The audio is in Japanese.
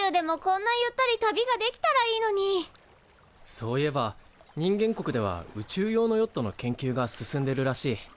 そういえば人間国では宇宙用のヨットの研究が進んでるらしい。